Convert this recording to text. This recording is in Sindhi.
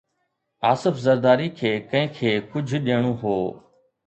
آصف زرداري کي ڪنهن کي ڪجهه ڏيڻو هو.